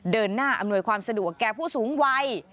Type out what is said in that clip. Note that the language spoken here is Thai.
เดินหน้าอำนวยความสะดวกแก่ผู้สูงวัย